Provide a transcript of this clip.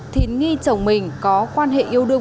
thị thìn nghi chồng mình có quan hệ yêu đương